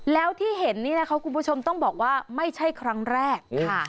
แล้วที่เห็นนี่นะคะคุณผู้ชมต้องบอกว่าไม่ใช่ครั้งแรกค่ะ